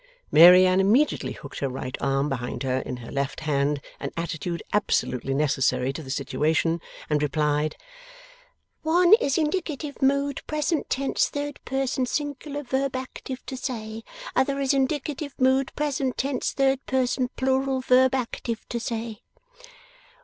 Mary Anne immediately hooked her right arm behind her in her left hand an attitude absolutely necessary to the situation and replied: 'One is indicative mood, present tense, third person singular, verb active to say. Other is indicative mood, present tense, third person plural, verb active to say.